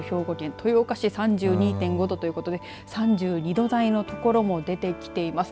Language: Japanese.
兵庫県豊岡市３２．５度ということで３２度台の所も出てきています。